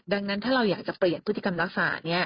ดังนั้นถ้าเราอยากจะเปลี่ยนพฤติกรรมลักษณะนี้